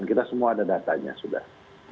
jadi kita semua ada datanya sudah